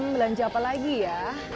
belanja apa lagi ya